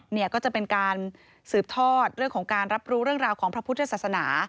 เนี่ยก็จะเป็นการสืบทอดเรื่องของการรับรู้เรื่องราวของพระพุทธศาสนา